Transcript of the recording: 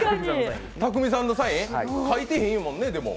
匠海さんのサイン、書いてないもんね。